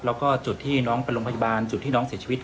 แล้วก็จุดที่น้องไปโรงพยาบาลจุดที่น้องเสียชีวิต